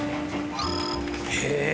へえ！